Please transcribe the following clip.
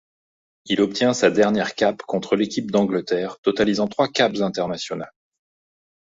Il obtient sa dernière cape contre l'équipe d'Angleterre, totalisant trois capes internationales.